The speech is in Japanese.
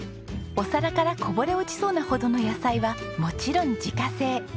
お皿からこぼれ落ちそうなほどの野菜はもちろん自家製。